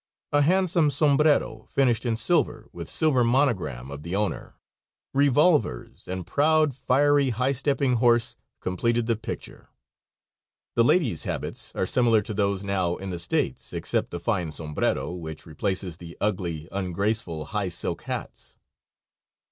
A handsome sombrero, finished in silver, with silver monogram of the owner, revolvers, and proud, fiery, high stepping horse completed the picture. The ladies' habits are similar to those now in the States, except the fine sombrero which replaces the ugly, ungraceful high silk hats.